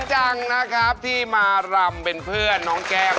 โชว์ที่สุดท้าย